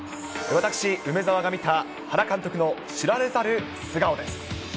私、梅澤が見た原監督の知られざる素顔です。